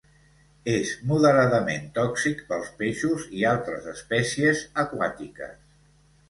És moderadament tòxic pels peixos i altres espècies aquàtiques.